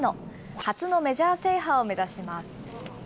初のメジャー制覇を目指します。